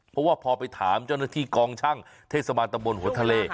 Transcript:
เพราะว่าพอไปถามเจ้าหน้าที่กองช่างเทศบาลตะบนหัวทะเล